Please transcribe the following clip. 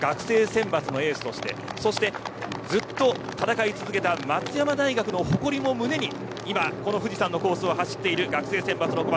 学生選抜のエースとしてそして、ずっと戦い続けた松山大学の誇りを胸に今、富士山のコースを走っている学生選抜の小松。